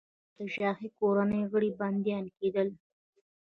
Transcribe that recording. دلته د شاهي کورنۍ غړي بندیان کېدل.